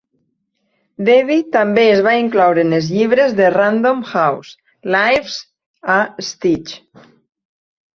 Debi també es va incloure en els llibres de Random House "Life's a Stitch".